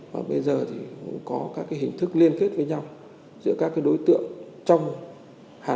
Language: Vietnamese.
và bây giờ thì có các cái hình thức liên kết với nhau giữa các cái đối tượng trong hà nội